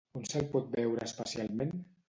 On se'l pot veure especialment?